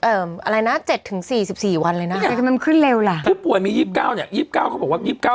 เอ่ออะไรนะ๗๔๔วันเลยนะมันขึ้นเร็วล่ะถ้าผู้ป่วยมี๒๙เขาบอกว่า